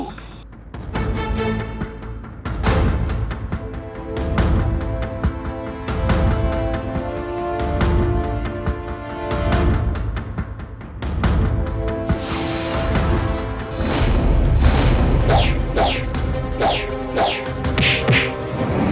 kau tidak bisa menang